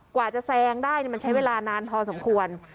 กว่าจะแซงได้มันใช้เวลานานพอสมควร